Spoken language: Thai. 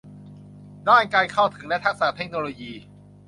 ด้านการเข้าถึงและทักษะเทคโนโลยี